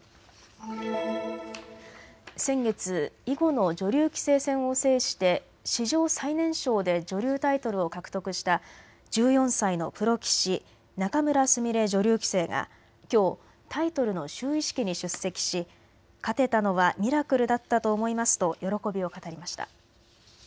先月、囲碁の女流棋聖戦を制して史上最年少で女流タイトルを獲得した１４歳のプロ棋士、仲邑菫女流棋聖がきょうタイトルの就位式に出席し勝てたのはミラクルだったと思いますと喜びを語りました。